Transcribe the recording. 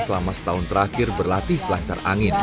selama setahun terakhir berlatih selancar angin